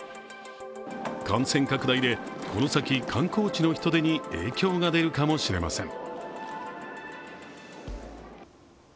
感染拡大でこの先、観光地の人出に影響が出るかもしれません。